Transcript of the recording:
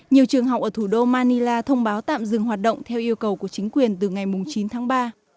nhiều trường học ở thủ đô manila thông báo tạm dừng hoạt động theo yêu cầu của chính quyền từ ngày chín tháng ba